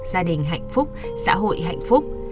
gia đình hạnh phúc xã hội hạnh phúc